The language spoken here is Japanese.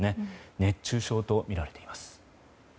熱中症とみられています。